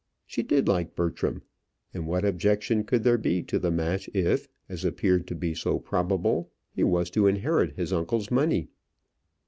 She did like Bertram; and what objection could there be to the match if, as appeared so probable, he was to inherit his uncle's money?